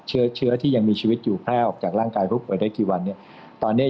เชื้อที่ยังมีชีวิตอยู่แพร่ออกจากร่างกายผู้ป่วยได้กี่วันเนี่ย